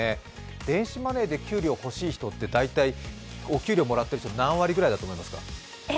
電子マネーで給料欲しい人って、大体お給料もらっている人の何割ぐらいだと思いますか？